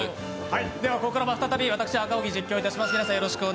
ここからは再び私、赤荻が実況いたします。